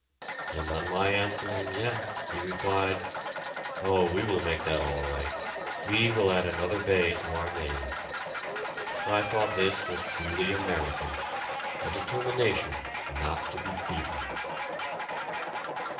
and on my answering "Yes" he replied, "Oh, we will make that all right; we will add another bay to our nave." I thought this was truly American, a determination not to be beaten.